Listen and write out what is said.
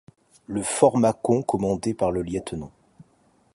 Le Fort Macon, commandé par le Lt.